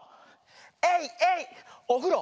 エイエイおふろ。